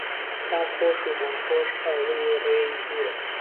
تامخؤش و بۆنخوش ئاوری ڕێی دووره